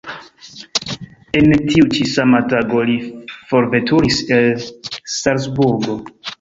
En tiu ĉi sama tago li forveturis el Salzburgo.